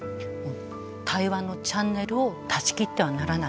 対話のチャンネルを断ち切ってはならない。